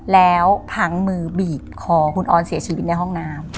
แล้วพังมือบีบคอคุณออนเสียชีวิตในห้องน้ำ